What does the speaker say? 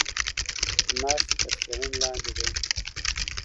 نسج تر څېړنې لاندې دی.